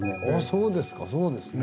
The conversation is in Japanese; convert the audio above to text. そうですかそうですね。